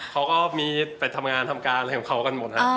เขาก็มีไปทำงานทำการอะไรของเขากันหมดครับ